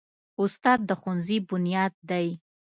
استاد د ښوونځي بنیاد دی.